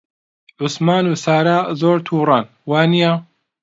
عوسمان و سارا زۆر تووڕەن، وانییە؟